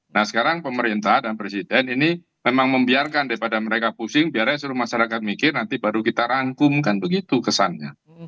nah sekarang pemerintah dan presiden ini memang membiarkan daripada mereka pusing biarnya seluruh masyarakat mikir nanti baru kita rangkum kan begitu kesannya